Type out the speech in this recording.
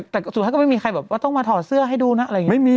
แต่สุดท้ายก็ไม่มีใครแบบว่าต้องมาถอดเสื้อให้ดูนะอะไรอย่างนี้